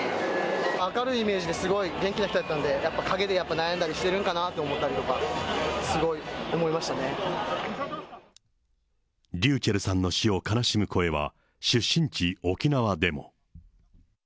明るいイメージで、すごい元気な人だったので、やっぱ陰ではやっぱ悩んだりしてるんかなって思ったりとか、すごｒｙｕｃｈｅｌｌさんの死を悲しむ声は出身地、沖縄でも。